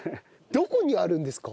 どこにあるんですか？